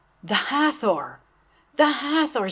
"The Hathor! the Hathor!